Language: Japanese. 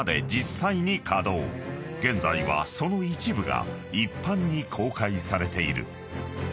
［現在はその一部が一般に公開されている］